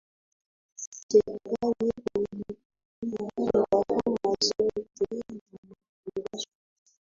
Serikali ililipia gharama zote za mafundisho